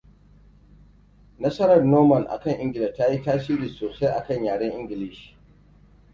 Nasarar Norman akan Ingila tayi tasiri sosai akan yaren Ingilishi.